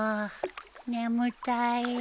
眠たいよ。